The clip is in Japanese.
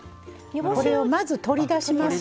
これを、まず取り出します。